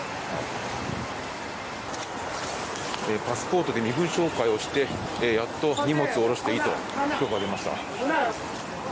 パスポートで身分照会をしてやっと荷物を下ろしていいと許可が出ました。